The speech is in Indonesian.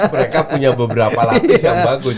mereka punya beberapa lapis yang bagus